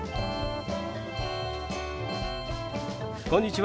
こんにちは。